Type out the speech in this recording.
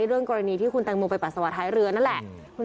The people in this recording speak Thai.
ให้เรื่องกรณีที่คุณแต่งโมไปปัสสาวะท้ายเรือน